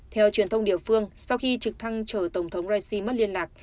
theo truyền thông địa phương sau khi trực thăng chở tổng thống raisi mất liên lạc